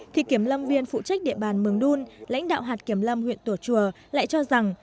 thì kiểm lâm viên phụ trách địa bàn mường đun lãnh đạo hạt kiểm lâm huyện tổ chùa lại cho rằng